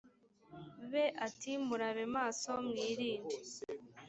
be ati murabe maso mwirinde